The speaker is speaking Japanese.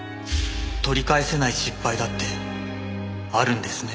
取り返せない失敗だってあるんですね。